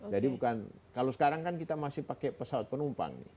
bukan kalau sekarang kan kita masih pakai pesawat penumpang